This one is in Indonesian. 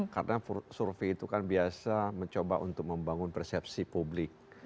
karena survei itu kan biasa mencoba untuk membangun persepsi publik